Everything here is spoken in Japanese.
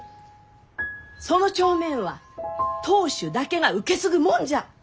その帳面は当主だけが受け継ぐもんじゃ！